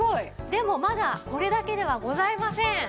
でもまだこれだけではございません。